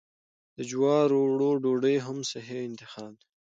د جوارو اوړو ډوډۍ هم صحي انتخاب دی.